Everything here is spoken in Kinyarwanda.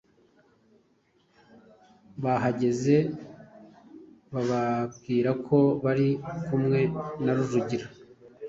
Bahageze bababwira ko bari kumwe na Rujugira.